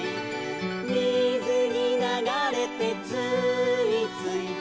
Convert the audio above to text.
「みずにながれてつーいつい」